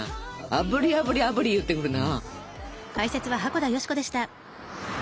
「あぶりあぶりあぶり」言ってくるな。